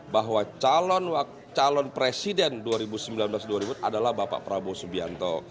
bahwa calon presiden dua ribu sembilan belas dua ribu adalah bapak prabowo subianto